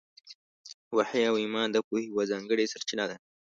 وحي او ایمان د پوهې یوه ځانګړې سرچینه ده.